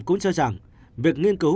cũng cho rằng việc nghiên cứu